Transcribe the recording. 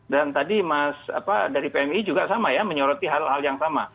dan tadi dari pmi juga sama ya menyoroti hal hal yang sama